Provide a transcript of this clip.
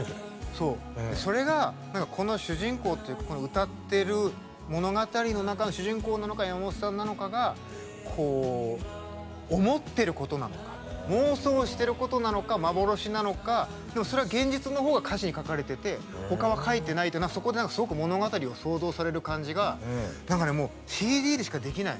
そうそれがこの主人公というかこの歌ってる物語の中の主人公なのか山本さんなのかがこう思ってることなのか妄想してることなのか幻なのかでもそれは現実の方が歌詞に書かれててほかは書いてないっていうのがそこで何かすごく物語を想像される感じが何かねもうＣＤでしかできない